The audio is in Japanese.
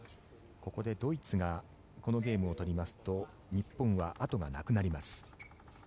ここでドイツがこのゲームを取りますと日本はあとがなくなります。